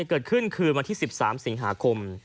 เกิดขึ้นคืนวันที่๑๓สิงหาคม